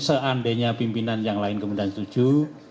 seandainya pimpinan yang lain kemudian setuju